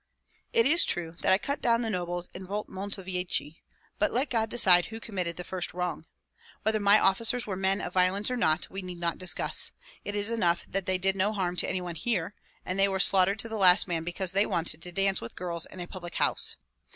It is true that I cut down the nobles in Volmontovichi, but let God decide who committed the first wrong. Whether my officers were men of violence or not, we need not discuss; it is enough that they did no harm to any one here, and they were slaughtered to the last man because they wanted to dance with girls in a public house.